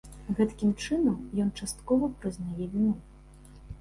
Гэткім чынам, ён часткова прызнае віну.